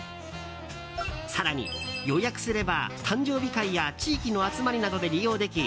更に、予約すれば誕生日会や地域の集まりなどで利用でき